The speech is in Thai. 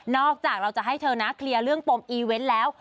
จากเราจะให้เธอนะเคลียร์เรื่องปมอีเวนต์แล้ว